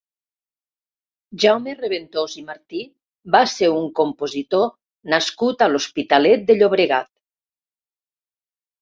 Jaume Reventós i Martí va ser un compositor nascut a l'Hospitalet de Llobregat.